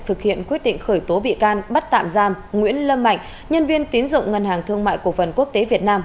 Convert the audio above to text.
thực hiện quyết định khởi tố bị can bắt tạm giam nguyễn lâm mạnh nhân viên tín dụng ngân hàng thương mại cổ phần quốc tế việt nam